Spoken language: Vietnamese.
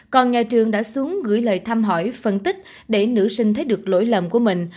còn nhà trường đã xuống gửi lời thăm hỏi phân tích để nữ sinh thấy được lỗi lầm của mình